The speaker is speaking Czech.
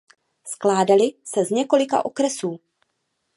Skládaly se z několika okresů.